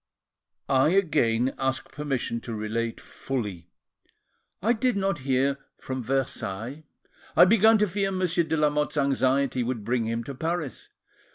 "I again ask permission to relate fully. I did not hear from Versailles: I began to fear Monsieur de Lamotte's anxiety would bring him to Paris.